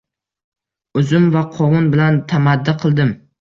Uzum va qovun bilan tamaddi qildim.